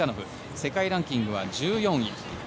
世界ランキングは１４位。